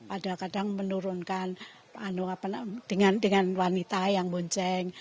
ada kadang menurunkan dengan wanita yang monceng